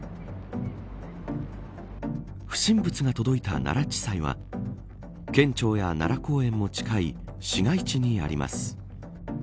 不審物が届いた奈良地裁は県庁や奈良公園も近い市街地にあります。